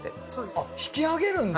あっ引き上げるんだ。